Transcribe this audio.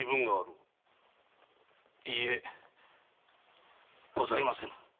いいえございません。